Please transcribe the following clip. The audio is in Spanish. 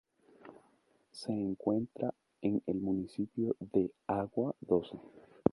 Se encuentra en el municipio de Água Doce.